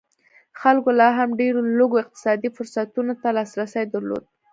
خلکو لا هم ډېرو لږو اقتصادي فرصتونو ته لاسرسی درلود.